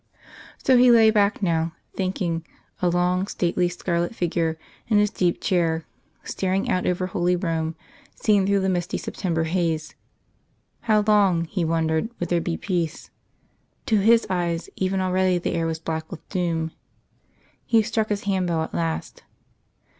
So he lay back now, thinking, a long, stately, scarlet figure, in his deep chair, staring out over Holy Rome seen through the misty September haze. How long, he wondered, would there be peace? To his eyes even already the air was black with doom. He struck his hand bell at last.